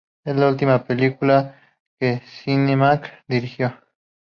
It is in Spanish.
Es la última película que Zinnemann dirigió.